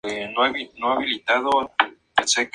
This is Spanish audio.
Rock al caño".